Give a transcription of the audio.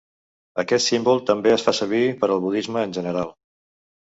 Aquest símbol també es fa servir per al budisme en general.